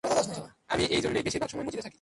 আমি এই জন্যই বেশির ভাগ সময় মসজিদে থাকি।